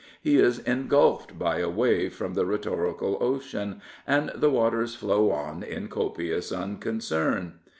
He is engulfed by a wave from the rhetorical ocean, and the waters flow on in copious unconcern.